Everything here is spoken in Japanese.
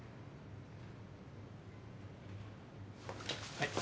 はい。